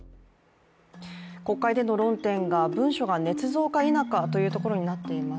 国会での論点が文書がねつ造か否かというところになっています。